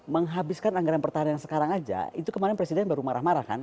menghabiskan anggaran pertahanan sekarang aja itu kemarin presiden baru marah marah kan